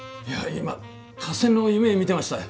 今合戦の夢見てましたよ。